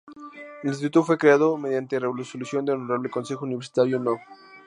El Instituto fue creado mediante resolución del Honorable Consejo Universitario No.